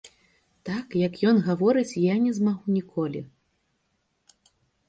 Так, як ён гаворыць, я не змагу ніколі.